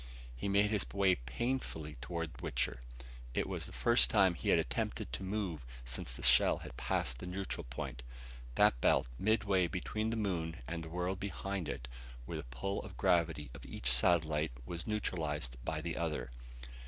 He made his way painfully toward Wichter. It was the first time he had attempted to move since the shell had passed the neutral point that belt midway between the moon and the world behind it, where the pull of gravity of each satellite was neutralized by the other.